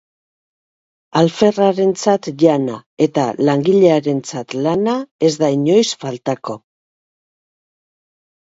Alferrarentzat jana eta langilearentzat lana ez da inoiz faltako.